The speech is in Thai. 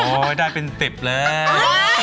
โอ้ยได้เป็นสิบเลย